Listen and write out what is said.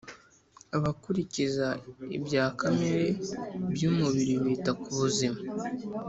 abakurikiza ibya kamere y umubiri bita kubuzima